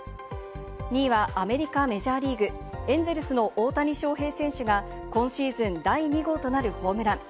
２位はアメリカ・メジャーリーグ、エンゼルスの大谷翔平選手が今シーズン第２号となるホームラン。